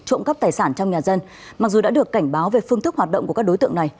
trộm cắp tài sản trong nhà dân mặc dù đã được cảnh báo về phương thức hoạt động của các đối tượng này